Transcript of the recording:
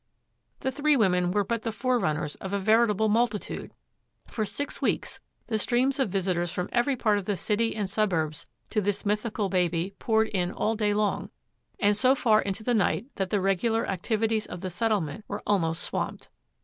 The three women were but the forerunners of a veritable multitude; for six weeks the streams of visitors from every part of the city and suburbs to this mythical baby poured in all day long, and so far into the night that the regular activities of the settlement were almost swamped.